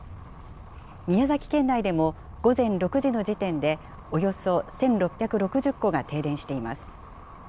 宮崎県内でも午前６時の時点で、およそ１６６０戸が停電しています。